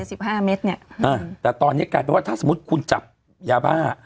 สิบห้าเมตรเนี้ยอ่าแต่ตอนเนี้ยกลายเป็นว่าถ้าสมมุติคุณจับยาบ้า